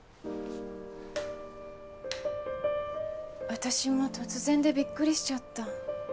私も突然でびっくりしちゃった。